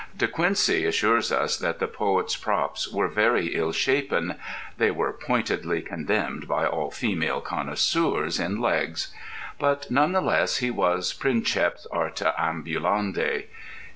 De Quincey assures us that the poet's props were very ill shapen—"they were pointedly condemned by all female connoisseurs in legs"—but none the less he was princeps arte ambulandi.